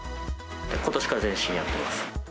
ことしから全身やってます。